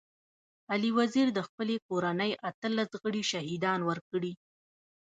علي وزير د خپلي کورنۍ اتلس غړي شهيدان ورکړي.